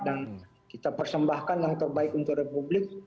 kita persembahkan yang terbaik untuk republik